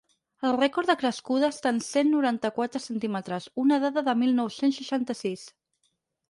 El rècord de crescuda està en cent noranta-quatre centímetres, una dada de mil nou-cents seixanta-sis.